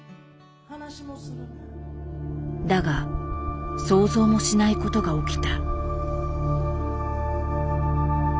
だが想像もしないことが起きた。